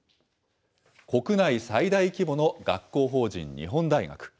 国内最大規模の学校法人、日本大学。